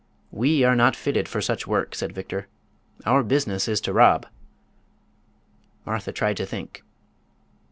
"We are not fitted for such work," said Victor. "Our business is to rob." Martha tried to think.